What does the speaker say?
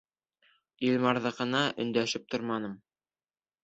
Илмарҙыҡына өндәшеп торманым.